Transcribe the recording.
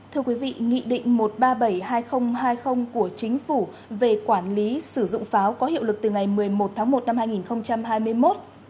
thưa quý vị nghị định một trăm ba mươi bảy hai nghìn hai mươi của chính phủ về quản lý sử dụng pháo có hiệu lực từ ngày một mươi một tháng một năm hai nghìn hai mươi một